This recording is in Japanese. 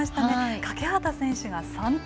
欠端選手が３点。